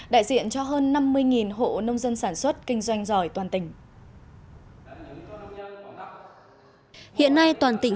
đại diện cho hơn năm mươi hộ nông dân sản xuất kinh doanh giỏi toàn tỉnh